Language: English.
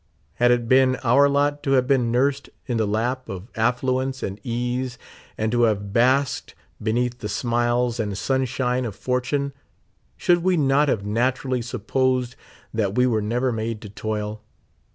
Had it been our lot to have been nursed in the lap of affluence and ease, and to have basked beneath the smiles and sunshine of fortune, should we not illfve naturally supposed that we were never made to toil?